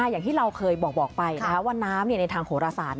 อย่างที่เราเคยบอกไปว่าน้ำในทางโหรศาสต